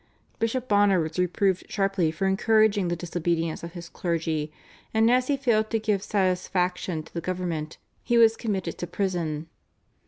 Bishop Bonner was reproved sharply for encouraging the disobedience of his clergy, and as he failed to give satisfaction to the government he was committed to prison.